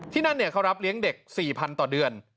ที่นั่นเนี่ยเขารับเลี้ยงเด็ก๔๐๐๐ต่อเดือน